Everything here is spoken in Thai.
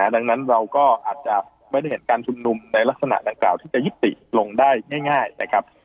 ดังนั้นเราก็อาจจะไม่ได้เห็นการชุมนุมในลักษณะดังกล่าวที่จะยุติลงได้ง่ายนะครับ